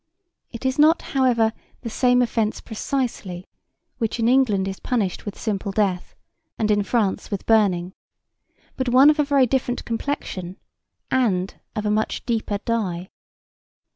It is not, however, the same offence precisely which in England is punished with simple death, and in France with burning, but one of a very different complexion and of a much deeper die.